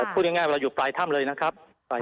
พูดง่ายเวลาอยู่ปลายถ้ำเลยนะครับ